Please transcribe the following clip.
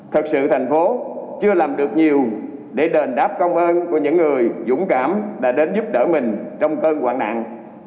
thật sự thành phố chưa làm được nhiều để đền đáp công ơn của những người dũng cảm đã đến giúp đỡ mình trong cơn hoạn nạn